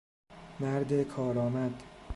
مرد کارآمد